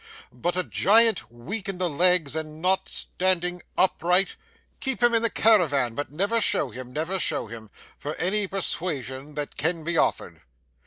But a giant weak in the legs and not standing upright! keep him in the carawan, but never show him, never show him, for any persuasion that can be offered.